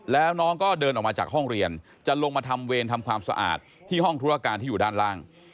แล้วน้องก็เดินออกมาจากห้องเรียนจะลงมาทำเวรทำความสะอาดที่ห้องธุรการที่อยู่ด้านล่าง